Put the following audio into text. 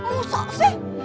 wah musak sih